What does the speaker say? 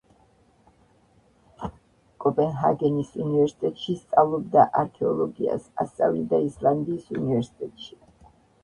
კოპენჰაგენის უნივერსიტეტში სწავლობდა არქეოლოგიას, ასწავლიდა ისლანდიის უნივერსიტეტში.